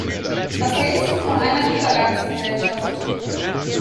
Was hältst du von einer Übergangsgesellschaft?